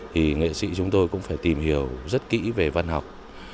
thì nghệ sĩ chúng tôi cũng phải tìm hiểu rất kỹ về văn học